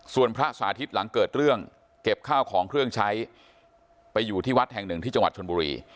ส่วนพระสาธิตหลังเกิดเรื่องเก็บข้าวของเครื่องใช้ไปอยู่ที่วัดแห่งหนึ่งที่จังหวัดชนบุรี